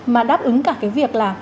mà đáp ứng cả cái việc là